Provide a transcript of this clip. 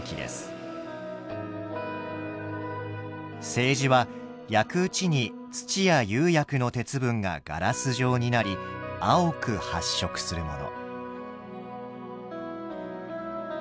青磁は焼くうちに土や釉薬の鉄分がガラス状になり青く発色するもの。